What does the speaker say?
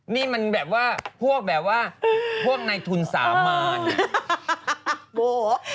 นี่มันแบบว่าพวกแบบว่าพวกในทุนสามาร